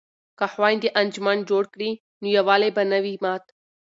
که خویندې انجمن جوړ کړي نو یووالی به نه وي مات.